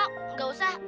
oh gak usah